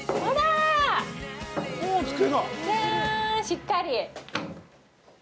しっかり。